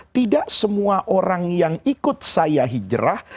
tidak semua orang yang ikut saya hijrah